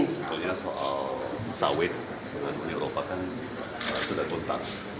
sebetulnya soal sawit dengan uni eropa kan sudah tuntas